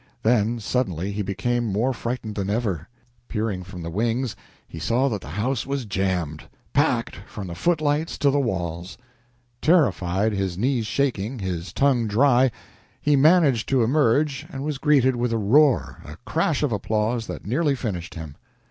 Then, suddenly, he became more frightened than ever; peering from the wings, he saw that the house was jammed packed from the footlights to the walls! Terrified, his knees shaking, his tongue dry, he managed to emerge, and was greeted with a roar, a crash of applause that nearly finished him.